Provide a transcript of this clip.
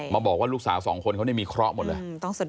มันบอกว่าลูกสาว๒คนมีเคราะห์หมดเลย